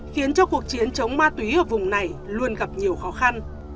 khiến cho cuộc chiến chống ma túy ở vùng này luôn gặp nhiều khó khăn